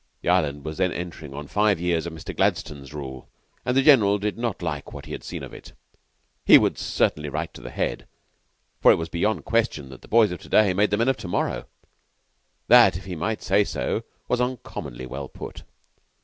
The island was then entering on five years of Mr. Gladstone's rule; and the General did not like what he had seen of it. He would certainly write to the Head, for it was beyond question that the boys of to day made the men of to morrow. That, if he might say so, was uncommonly well put.